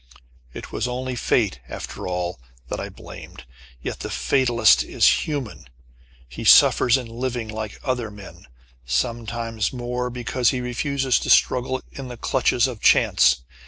It was only Fate after all, that I blamed, yet the fatalist is human. He suffers in living like other men sometimes more, because he refuses to struggle in the clutches of Chance!